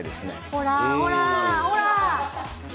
ほら、ほら！